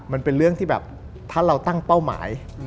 มันเป็นเรื่องที่แบบถ้าเราตั้งเป้าหมาย